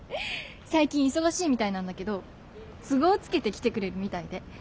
最近忙しいみたいなんだけど都合つけて来てくれるみたいで。